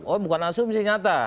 oh bukan asumsi nyata